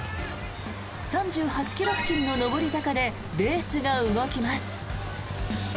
３８ｋｍ付近の上り坂でレースが動きます。